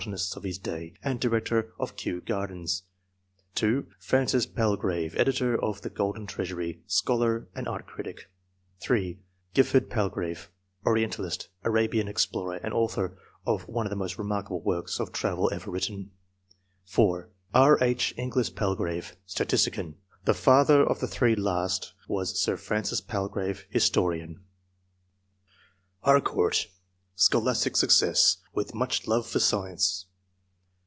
nists of his day, and director of Kew Gardens ; (2) Francis Pal grave, editor of the " Golden Treasury," scholar and art critic ; (3) Gijffbrd Palgrave, orientalist, Arabian explorer, and author of one of the most remarkable works of travel ever written ; (4) E. H, E 50 ENGLISH MEN OF SCIENCE. [cuaf. Inglis Palgrave, statistician. (The father of the three last was Sir Francis Palgrave, historian.) Harcourt. — Scholastic success, with much love for science.